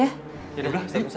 yaudah ustadz musa